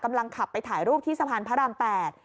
กำลังขับไปถ่ายรูปที่สะพานพระราม๘